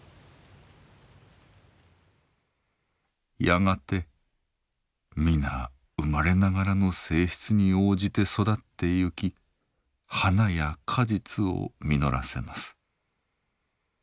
やがて皆生まれながらの性質に応じて育って行き花や果実を実らせます。